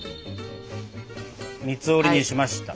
三つ折りにしました。